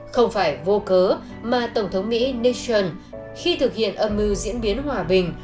không phải vô cớ mà tổng thống mỹ nichon khi thực hiện âm mưu diễn biến hòa bình